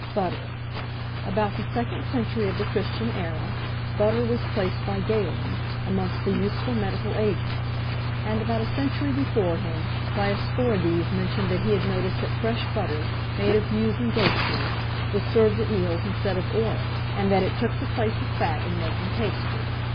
BUTTER. About the second century of the Christian era, butter was placed by Galen amongst the useful medical agents; and about a century before him, Dioscorides mentioned that he had noticed that fresh butter, made of ewes' and goats' milk, was served at meals instead of oil, and that it took the place of fat in making pastry.